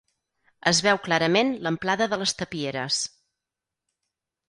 Es veu clarament l'amplada de les tapieres.